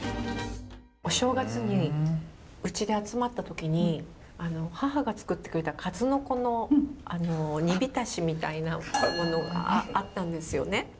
お正月にうちで集まった時に母が作ってくれた数の子の煮浸しみたいなものがあったんですよね。